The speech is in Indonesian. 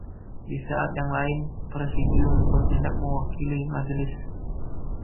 Di saat yang lain, Presidium bertindak mewakili Majelis.